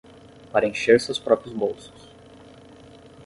Para encher seus próprios bolsos.